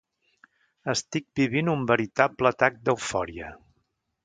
Estic vivint un veritable atac d'eufòria.